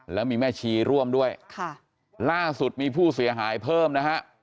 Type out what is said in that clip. แล้วมีแม่ชีร่วมด้วยค่ะล่าสุดมีผู้เสียหายเพิ่มนะฮะ